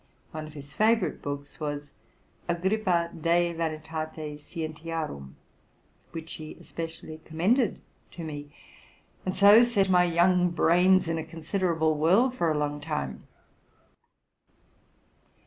One of his favorite books was '+ Agrippa de Vanitate Scientiarum,'' which he especially commended to me, and so set my young brains in a considerable whirl for a long time.